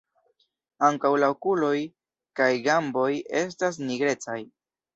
Ankaŭ la okuloj kaj gamboj estas nigrecaj.